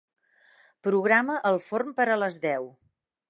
Programa el forn per a les deu.